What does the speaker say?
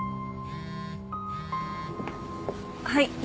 はい。